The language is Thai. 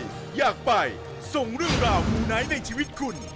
คุณอยากไปส่งเรื่องราวมูไนท์ในชีวิตคุณ